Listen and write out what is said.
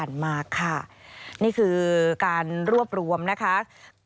สวัสดีค่ะสวัสดีค่ะ